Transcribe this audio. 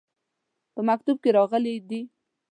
په مکتوب کې راغلي دي.